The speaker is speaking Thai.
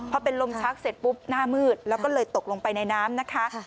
พอเป็นลมชักเสร็จปุ๊บหน้ามืดแล้วก็เลยตกลงไปในน้ำนะคะ